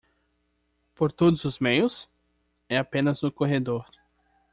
Por todos os meios? é apenas no corredor.